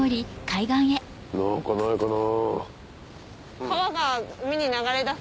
何かないかな。